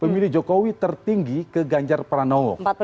pemilih jokowi tertinggi ke ganjar pranowo